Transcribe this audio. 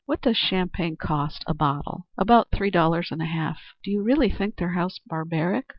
"What does champagne cost a bottle?" "About three dollars and a half." "Do you really think their house barbaric?"